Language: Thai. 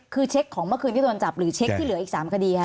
คือเช็คของเมื่อคืนที่โดนจับหรือเช็คที่เหลืออีก๓คดีค่ะ